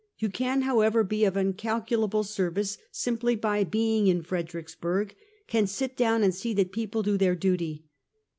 You can, however, be of incalculable service, simply by being in Fredericksburg; can sit down and see that people do their duty.